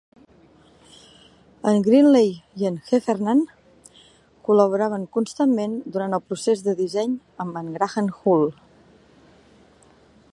En Greenley i en Heffernan col·laboraven constantment durant el procés de disseny amb en Graham Hull.